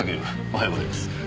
おはようございます。